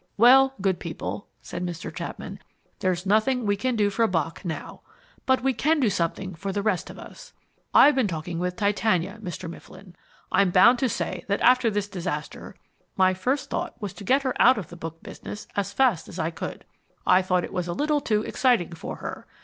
"Well, good people," said Mr. Chapman, "there's nothing we can do for Bock now. But we can do something for the rest of us. I've been talking with Titania, Mr. Mifflin. I'm bound to say that after this disaster my first thought was to get her out of the book business as fast as I could. I thought it was a little too exciting for her.